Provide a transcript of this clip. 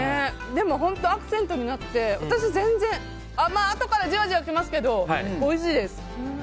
でも、本当にアクセントになって私、全然。あとからじわじわきますけどおいしいです。